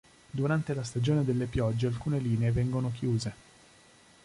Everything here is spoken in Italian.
Durante la stagione delle piogge alcune linee vengono chiuse.